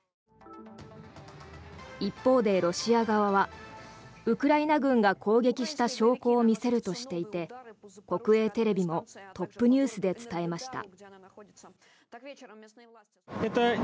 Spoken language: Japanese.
一方で、ロシア側はウクライナ軍が攻撃した証拠を見せるとしていて国営テレビもトップニュースで伝えました。